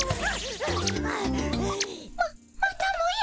ままたもや。